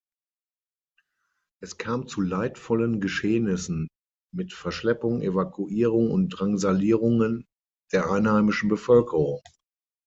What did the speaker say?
Es kam zu leidvollen Geschehnissen mit Verschleppung, Evakuierung und Drangsalierungen der einheimischen Bevölkerung.